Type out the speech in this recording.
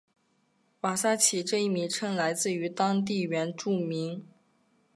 瓦萨奇这一名称来自于当地原住民。